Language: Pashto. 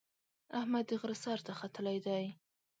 اجمد د غره سر ته ختلی دی.